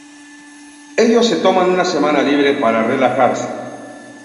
Ellos se toman una semana libre para relajarse.